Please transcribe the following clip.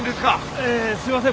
ええすいません